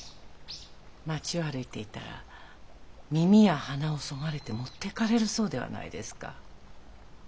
町を歩いていたら耳や鼻をそがれて持っていかれるそうではないですか。